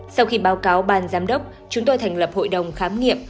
sau khi báo cáo ban giám đốc chúng tôi thành lập hội đồng khám nghiệm